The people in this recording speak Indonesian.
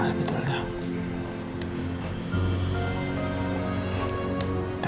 demi yang saya